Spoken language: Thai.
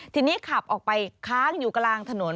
ทีนี้ขับออกไปค้างอยู่กลางถนน